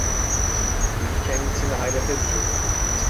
Yüzü kendisini hayrete düşürdü: